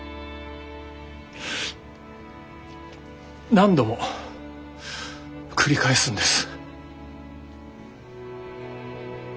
何度も繰り返すんです。